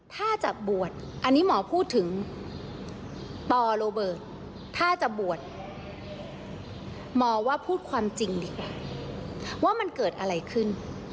ถ้าจะบวชอันนี้หมอพูดถึงปโรเบิร์ตถ้าจะบวชหมอว่าพูดความจริงดีกว่าว่ามันเกิดอะไรขึ้น